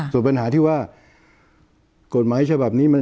ส่วนปัญหาที่ว่ากฎหมายใช่แบบนี้